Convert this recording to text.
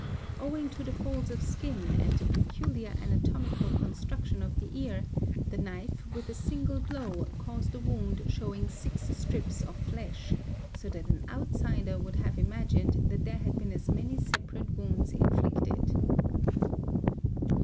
Owing to the folds of skin ai é the peculiar anatomical construction of the ear, the knife with a single blow caused a wound showing six strips of flesh; so that an outside would have imagined that there had been as many separate woun ds inflicted.